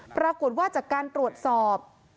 ปรากฏว่าจากการตรวจสอบ